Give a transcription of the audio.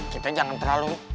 kita jangan terlalu